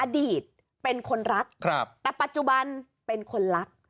อดีตเป็นคนรักครับแต่ปัจจุบันเป็นคนรัก